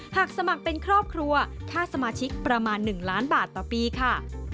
สมัครเป็นครอบครัวค่าสมาชิกประมาณ๑ล้านบาทต่อปีค่ะ